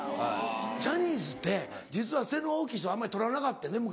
ジャニーズって実は背の大きい人あんまり取らなかってんね昔。